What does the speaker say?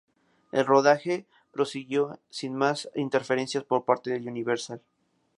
El rodaje prosiguió sin más interferencias por parte de Universal.